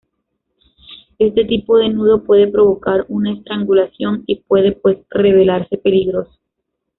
Este tipo de nudo puede provocar una estrangulación y puede pues revelarse peligroso.